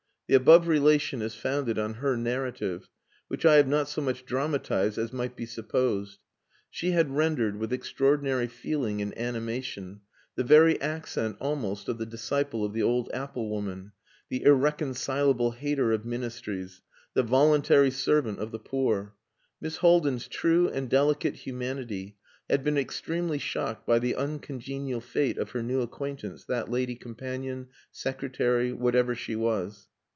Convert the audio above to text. The above relation is founded on her narrative, which I have not so much dramatized as might be supposed. She had rendered, with extraordinary feeling and animation, the very accent almost of the disciple of the old apple woman, the irreconcilable hater of Ministries, the voluntary servant of the poor. Miss Haldin's true and delicate humanity had been extremely shocked by the uncongenial fate of her new acquaintance, that lady companion, secretary, whatever she was.